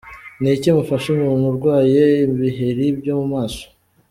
Ni iki mufasha umuntu urwaye ibiheri byo mu maso?.